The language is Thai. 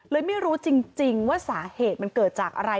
ไม่รู้จริงว่าสาเหตุมันเกิดจากอะไร